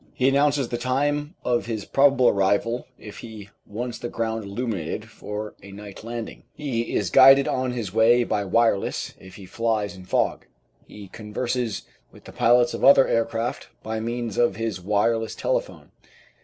he announces the time of his probable arrival if he wants the ground illuminated for a night landing; he is guided on his way by wireless if he flies in fog; he converses with the pilots of other aircraft by means of his wireless tele phone.